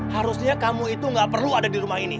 harusnya kamu itu gak perlu ada di rumah ini